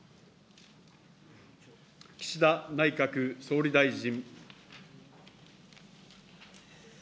岸田内閣総理大臣。